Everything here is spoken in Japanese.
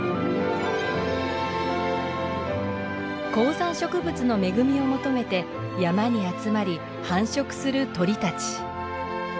高山植物の恵みを求めて山に集まり繁殖する鳥たち。